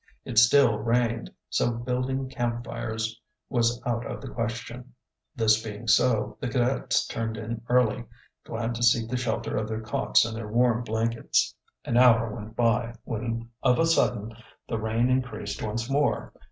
It still rained, so building camp fires was out of the question. This being so, the cadets turned in early, glad to seek the shelter of their cots and their warm blankets. An hour went by, when of a sudden the rain increased once more.